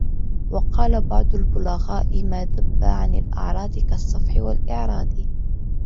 وَقَالَ بَعْضُ الْبُلَغَاءِ مَا ذَبٌّ عَنْ الْأَعْرَاضِ كَالصَّفْحِ وَالْإِعْرَاضِ